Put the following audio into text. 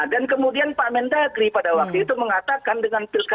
dan kemudian pak mendagri pada waktu itu mengatakan dengan